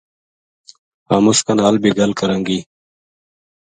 ہم اس نال بے گل کراں گی